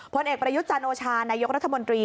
ผลเอกประยุทธ์จันโอชานายกรัฐมนตรี